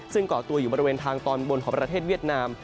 ซึ่งก่อตัวอยู่บริเวณทางตอนบนของประเทศเวียดนาม